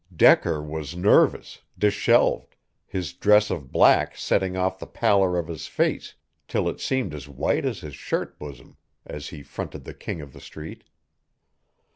Decker was nervous, disheveled, his dress of black setting off the pallor of his face, till it seemed as white as his shirt bosom, as he fronted the King of the Street.